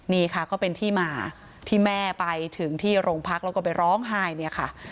นี่ค่ะก็เป็นที่มาที่แม่ไปถึงที่โรงพักแล้วก็ไปร้องไห้เนี่ยค่ะ